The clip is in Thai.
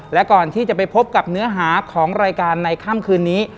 และก่อนที่จะไปพบกับเนื้อหาของรายการในค่ำคืนนี้